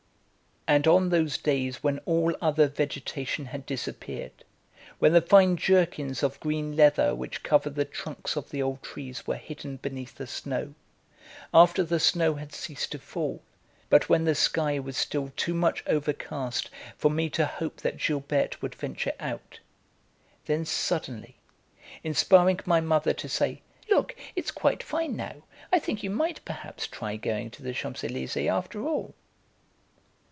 And on those days when all other vegetation had disappeared, when the fine jerkins of green leather which covered the trunks of the old trees were hidden beneath the snow; after the snow had ceased to fall, but when the sky was still too much overcast for me to hope that Gilberte would venture out, then suddenly inspiring my mother to say: "Look, it's quite fine now; I think you might perhaps try going to the Champs Elysées after all."